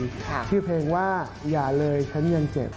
ชื่อเพลงว่าอย่าเลยฉันยังเจ็บ